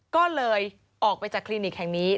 ก็เลยออกไปจากคลินิกแห่งนี้